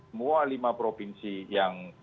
semua lima provinsi yang